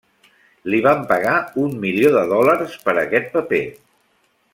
Li van pagar un milió de dòlars per a aquest paper.